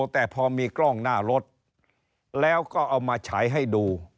แต่พอมีกล้องหน้ารถแล้วก็เอามาฉายให้ดู